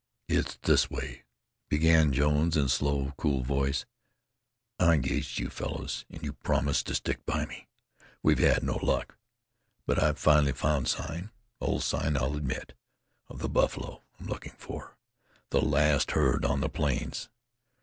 "It's this way," began Jones, in slow, cool voice; "I engaged you fellows, and you promised to stick by me. We've had no luck. But I've finally found sign old sign, I'll admit the buffalo I'm looking for the last herd on the plains.